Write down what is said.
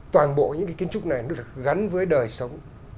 toàn bộ những kiến trúc này được gắn với đời sống